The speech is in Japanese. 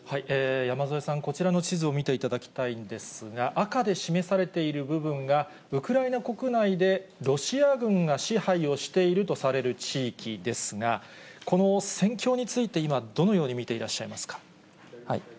山添さん、こちらの地図を見ていただきたいんですが、赤で示されている部分が、ウクライナ国内でロシア軍が支配をしているとされる地域ですが、この戦況について、今、どのように見ていらっしゃいますか。